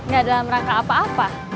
gak dalam rangka apa apa